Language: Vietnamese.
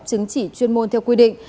chứng chỉ chuyên môn theo quy định